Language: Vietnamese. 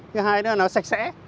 thứ hai là nó sạch sẽ